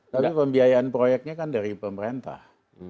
tapi pembiayaan proyeknya kan dari pemerintah